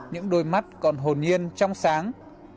những đôi mắt còn hồn nhiên trong sáng